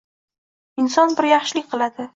Inson bir yaxshilik qiladi.